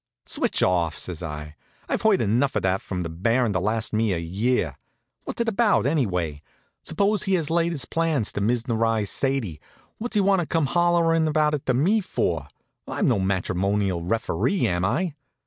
"Switch off!" says I. "I've heard enough of that from the Baron to last me a year. What's it all about, anyway? Suppose he has laid his plans to Miznerize Sadie; what's he want to come hollerin' about it to me for? I'm no matrimonial referee, am I?"